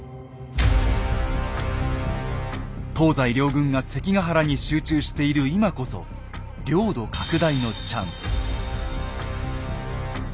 東西両軍が関ヶ原に集中している今こそ領土拡大のチャンス。